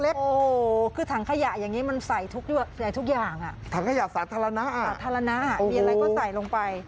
โอ้โหคือถังขยะอย่างนี้มันใส่หลายทุกอย่างอ่ะ